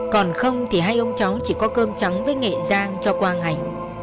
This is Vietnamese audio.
còn không thì hai ông cháu chỉ có cơm trắng với nghệ giang cho qua ngày